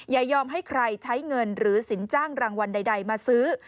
อย่ายอมให้ใครใช้เงินหรือสินจ้างรางวัลใดมาซื้อ